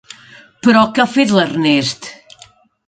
Però què ha fet, l'Ernest?